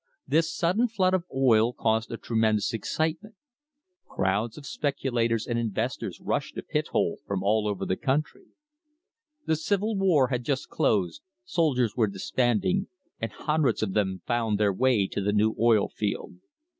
This sudden flood of oil caused a tremendous excitement. Crowds of speculators and investors rushed to Pithole from all over the country. The Civil War had just closed, soldiers were disbanding, and hundreds of them found their way to the new oil field.